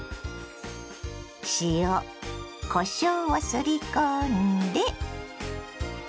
塩こしょうをすり込んで。